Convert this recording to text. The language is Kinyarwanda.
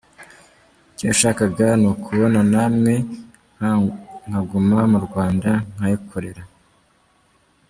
Icyo yashakaga ni ukubana namwe, nkaguma mu Rwanda nkayikorera.